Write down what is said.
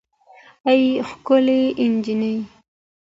اې ښکلې نجلۍ